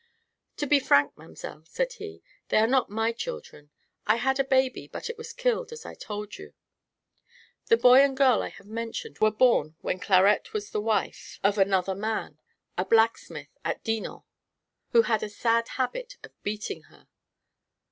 "To be frank, mamselle," said he, "they are not my children. I had a baby, but it was killed, as I told you. The boy and girl I have mentioned were born when Clarette was the wife of another man a blacksmith at Dinant who had a sad habit of beating her."